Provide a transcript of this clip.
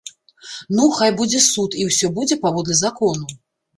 Ну, хай будзе суд і ўсё будзе паводле закону!